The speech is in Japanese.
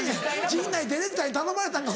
陣内ディレクターに頼まれたんか？